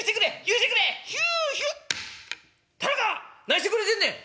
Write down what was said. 何してくれてんねん！」。